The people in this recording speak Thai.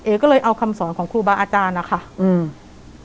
ก็เลยเอาคำสอนของครูบาอาจารย์นะคะอืม